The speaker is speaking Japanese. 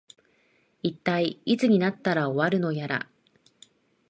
いったい、いつになったら終わるのやら